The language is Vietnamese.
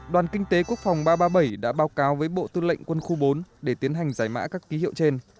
đoàn kinh tế quốc phòng ba trăm ba mươi bảy đã báo cáo với bộ tư lệnh quân khu bốn để tiến hành giải mã các ký hiệu trên